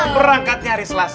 perangkatnya hari selasa